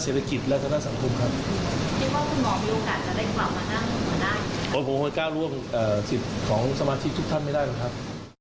ผมกล้าด้วยสิทธิ์ของสมาธิทุกท่านไม่ได้หรือครับ